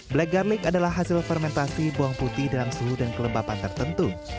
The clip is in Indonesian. black garlic adalah hasil fermentasi bawang putih dalam suhu dan kelembapan tertentu